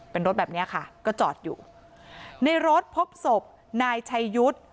เป็นรถแบบเนี้ยค่ะก็จอดอยู่ในรถพบศพนายชัยยุทธ์